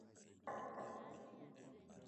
Nyumba ile ni nzuri